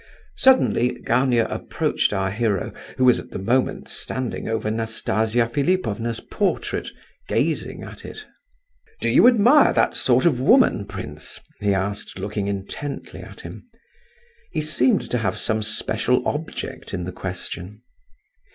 Suddenly Gania approached our hero who was at the moment standing over Nastasia Philipovna's portrait, gazing at it. "Do you admire that sort of woman, prince?" he asked, looking intently at him. He seemed to have some special object in the question.